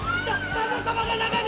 旦那様が中に‼